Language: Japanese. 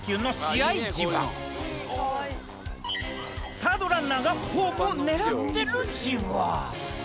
サードランナーがホームを狙ってるじわ。